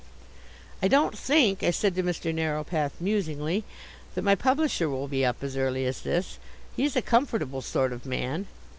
"I don't think," I said to Mr. Narrowpath musingly, "that my publisher will be up as early as this. He's a comfortable sort of man."